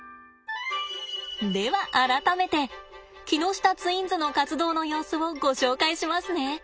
では改めて木下ツインズの活動の様子をご紹介しますね。